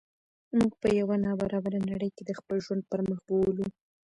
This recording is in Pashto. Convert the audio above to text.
موږ په یوه نا برابره نړۍ کې د خپل ژوند پرمخ بوولو.